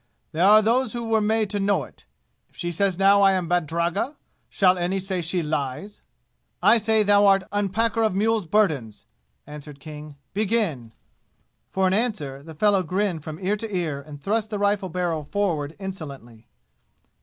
There are those who were made to know it! If she says now I am badragga, shall any say she lies?" "I say thou art unpacker of mules' burdens!" answered King. "Begin!" For answer the fellow grinned from ear to ear and thrust the rifle barrel forward insolently.